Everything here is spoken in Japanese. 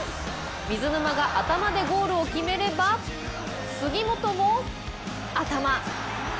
水沼が頭でゴールを決めれば杉本も、頭。